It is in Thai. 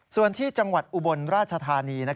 ส่วนที่จังหวัดอุบลราชธานี